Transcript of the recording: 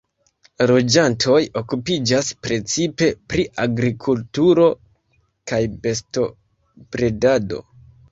La loĝantoj okupiĝas precipe pri agrikulturo kaj bestobredado.